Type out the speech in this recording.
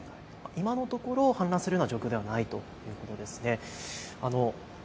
今のところ、氾濫するような状況ではないということですね。